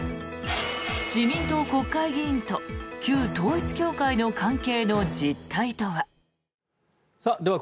自民党国会議員と旧統一教会の関係の実態とは。